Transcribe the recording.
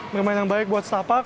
bermain yang baik buat setapak